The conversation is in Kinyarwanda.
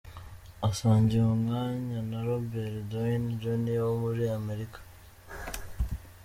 Asangiye umwanya na Robert Downey Jr, wo muri Amerika.